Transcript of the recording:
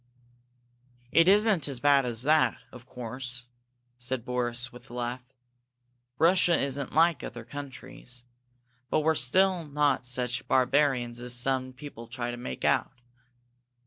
"It isn't as bad as that, of course," said Boris, with a laugh. "Russia isn't like other countries, but we're not such barbarians as some people try to make out.